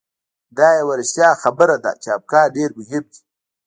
دا یوه رښتیا خبره ده چې افکار ډېر مهم دي.